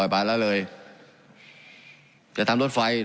การปรับปรุงทางพื้นฐานสนามบิน